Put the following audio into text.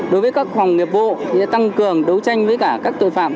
đối với các phòng nghiệp vô tăng cường đấu tranh với các tội phạm